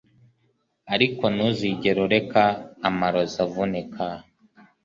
Ariko ntuzigere ureka amarozi avunika